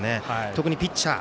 特に、ピッチャー。